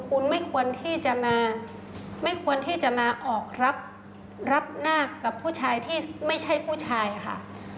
คุณไม่ควรที่จะมาออกรับหน้ากับผู้ชายที่ไม่ใช่ผู้ชายค่ะ